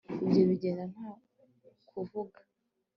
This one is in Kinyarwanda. ibyo bigenda nta kuvuga